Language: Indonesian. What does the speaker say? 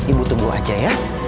ibu tunggu aja ya